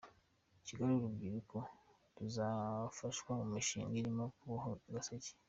Kigali Urubyiruko ruzafashwa mu mishinga irimo kuboha Agaseke